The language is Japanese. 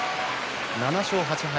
７勝８敗。